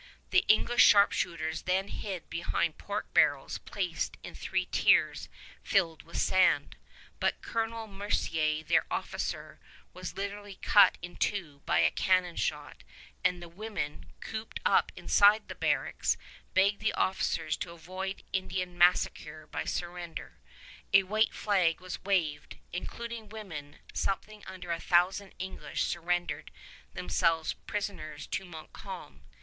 The English sharpshooters then hid behind pork barrels placed in three tiers filled with sand; but Colonel Mercer, their officer, was literally cut in two by a cannon shot, and the women, cooped up inside the barracks, begged the officers to avoid Indian massacre by surrender. A white flag was waved. Including women, something under a thousand English surrendered themselves prisoners to Montcalm.